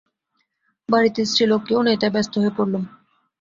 বাড়িতে স্ত্রীলোক কেউ নেই, তাই ব্যস্ত হয়ে পড়লুম।